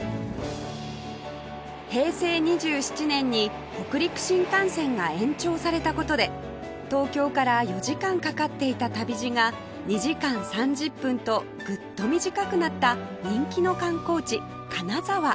平成２７年に北陸新幹線が延長された事で東京から４時間かかっていた旅路が２時間３０分とグッと短くなった人気の観光地金沢